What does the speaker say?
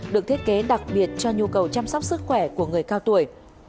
được thiết kế đặc biệt cho nhu cầu chăm sóc sức khỏe của người cao tuổi